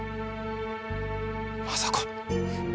まさか。